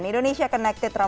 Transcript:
sautut e filters diri malah